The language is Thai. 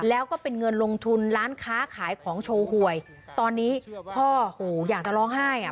แล้วก็เป็นเงินลงทุนร้านค้าขายของโชว์หวยตอนนี้พ่อโหอยากจะร้องไห้อ่ะ